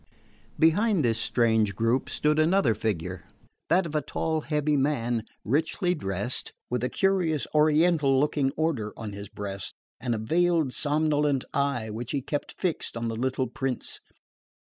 Behind this strange group stood another figure, that of a tall heavy man, richly dressed, with a curious Oriental looking order on his breast and a veiled somnolent eye which he kept fixed on the little prince.